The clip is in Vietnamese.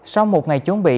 sau một ngày chuẩn bị